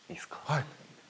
はい。